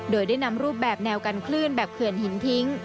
โดยได้นำรูปแบบแนวกันคลื่นแบบเขื่อนหินทิ้ง